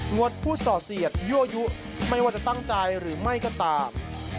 งดผู้ส่อเสียดยั่วยุไม่ว่าจะตั้งใจหรือไม่ก็ตาม